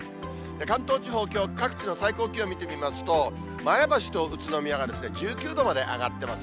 関東地方、きょう各地の最高気温見てみますと、前橋と宇都宮が１９度まで上がってます。